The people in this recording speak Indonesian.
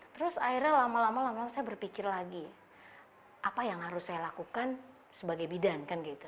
terus akhirnya lama lama saya berpikir lagi apa yang harus saya lakukan sebagai bidan